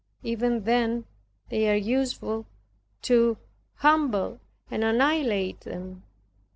Even then they are useful to humble and annihilate them.